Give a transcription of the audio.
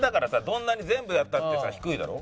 どんなに全部やったってさ低いだろ。